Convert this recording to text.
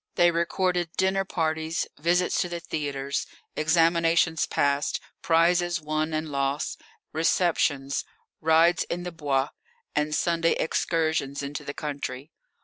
They recorded dinner parties, visits to the theatres, examinations passed, prizes won and lost, receptions, rides in the Bois, and Sunday excursions into the country.